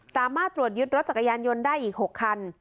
สามารถตรวจยึดรถจักรยานยนต์ได้อีก๖คัน